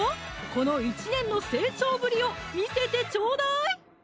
この１年の成長ぶりを見せてちょうだい！